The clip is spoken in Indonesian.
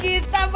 rafa main dong